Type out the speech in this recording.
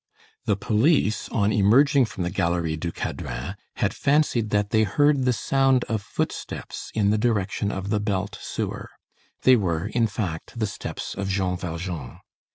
The police, on emerging from the gallery du Cadran, had fancied that they heard the sound of footsteps in the direction of the belt sewer. They were, in fact, the steps of Jean Valjean.